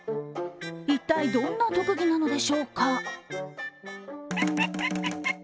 一体どんな特技なんでしょうか。